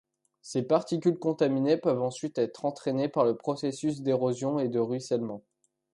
Ces particules contaminées peuvent ensuite être entraînées par les processus d’érosion et de ruissellement.